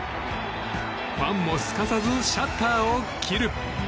ファンもすかさずシャッターを切る。